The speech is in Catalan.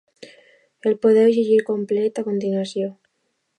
El podeu llegir complet a continuació.